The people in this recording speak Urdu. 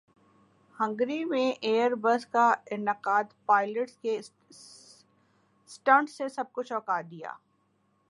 ہنگری میں ایئر ریس کا انعقادپائلٹس کے سٹنٹس نے سب کو چونکا دیا